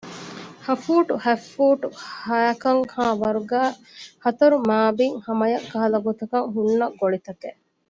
ހަ ފޫޓު ހަތް ފޫޓު ހައިކަށް ހައި ވަރުގައި ހަތަރު މާބިތް ހަމަޔަށް ކަހަލަ ގޮތަކަށް ހުންނަ ގޮޅިތަކެއް